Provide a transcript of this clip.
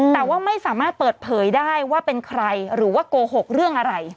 แต่ว่าไม่สามารถเปิดเผยได้ว่าเป็นใครหรือว่าโกหกเรื่องอะไร